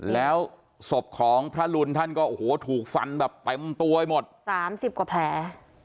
แล้วศพของพระรุณท่านก็ถูกฝันแบบแปมตัวให้หมด๓๐กว่าแผล